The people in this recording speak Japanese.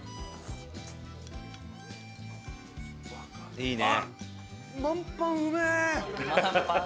いいね。